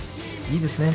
いいですね。